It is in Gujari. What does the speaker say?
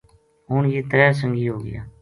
ہن یہ ترے سنگی ہو گیا